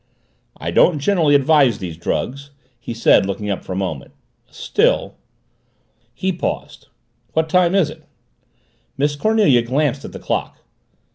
"I don't generally advise these drugs," he said, looking up for a moment. "Still " He paused. "What time is it?" Miss Cornelia glanced at the clock.